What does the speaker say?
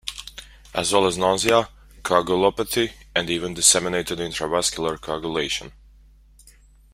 As well as nausea, coagulopathy, and even disseminated intravascular coagulation.